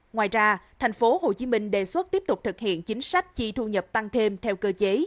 ngoài ra tp hcm đề xuất tiếp tục thực hiện chính sách chi thu nhập tăng thêm theo cơ chế